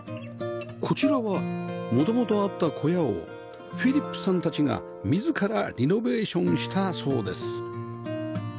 こちらは元々あった小屋をフィリップさんたちが自らリノベーションしたそうです